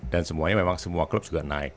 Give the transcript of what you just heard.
dan semuanya memang semua klub sudah naik